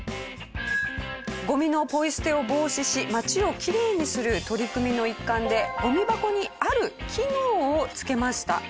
ゴミのポイ捨てを防止し街をきれいにする取り組みの一環でゴミ箱にある機能を付けました。